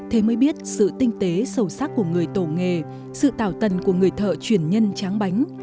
thế mới biết sự tinh tế sâu sắc của người tổ nghề sự tảo tần của người thợ truyền nhân tráng bánh